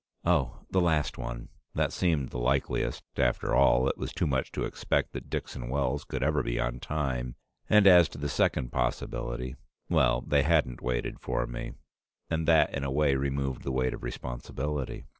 "Oh the last one." That seemed the likeliest. After all, it was too much to expect that Dixon Wells could ever be on time, and as to the second possibility well, they hadn't waited for me, and that in a way removed the weight of responsibility.